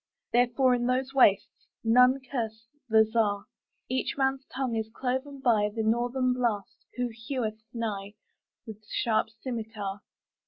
Therefore, in those wastesNone curse the Czar.Each man's tongue is cloven byThe North Blast, who heweth nighWith sharp scymitar.